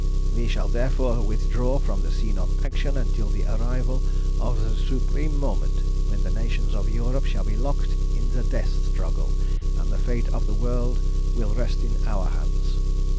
We shall therefore withdraw from the scene of action until the arrival of the supreme moment when the nations of Europe shall be locked in the death struggle, and the fate of the world will rest in our hands.